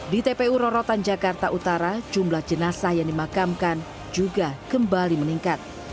di tpu rorotan jakarta utara jumlah jenazah yang dimakamkan juga kembali meningkat